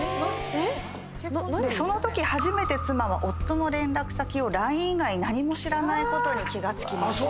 そのとき初めて妻は夫の連絡先をＬＩＮＥ以外何も知らないことに気が付きました。